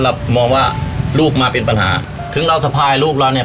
เรามองว่าลูกมาเป็นปัญหาถึงเราสะพายลูกเราเนี่ย